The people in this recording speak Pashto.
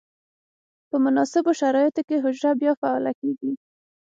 په مناسبو شرایطو کې حجره بیا فعاله کیږي.